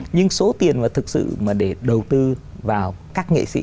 nhưng số tiền mà thực sự mà để đầu tư vào các nghệ sĩ